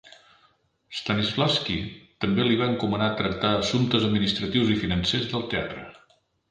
Stanislavski també li va encomanar tractar assumptes administratius i financers del teatre.